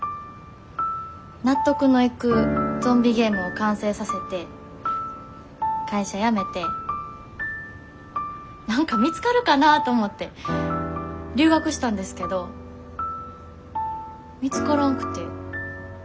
納得のいくゾンビゲームを完成させて会社辞めて何か見つかるかなと思って留学したんですけど見つからんくて。